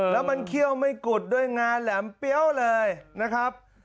แล้วมันเคี่ยวไม่กุดด้วยงาแหลมเปรี้ยวเลยนะครับ